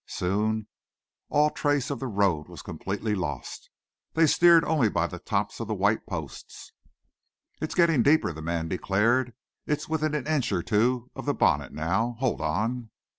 Soon all trace of the road was completely lost. They steered only by the tops of the white posts. "It's getting deeper," the man declared. "It's within an inch or two of the bonnet now. Hold on."